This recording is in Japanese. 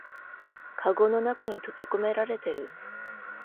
かごの中に閉じこめられてる